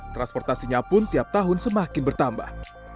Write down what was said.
transportasinya pun tiap tahun semakin bertambah